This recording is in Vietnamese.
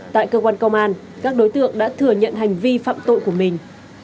tại cơ quan công an các đối tượng đã thừa nhận hành vi phạm tội của mình